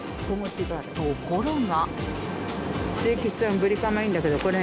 ところが。